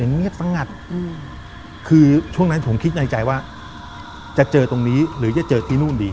เงียบสงัดคือช่วงนั้นผมคิดในใจว่าจะเจอตรงนี้หรือจะเจอที่นู่นดี